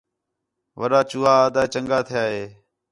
وݙّا چوہا آہدا ہِِے چَنڳا تِھیا ہِے